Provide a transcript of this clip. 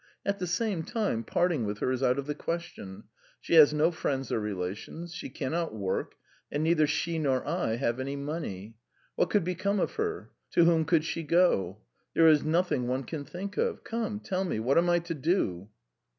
At the same time, parting with her is out of the question. She has no friends or relations; she cannot work, and neither she nor I have any money. ... What could become of her? To whom could she go? There is nothing one can think of. ... Come, tell me, what am I to do?"